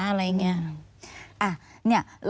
อะไรอย่างนี้